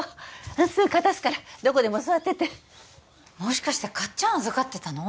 すぐ片すからどこでも座っててもしかしてかっちゃん預かってたの？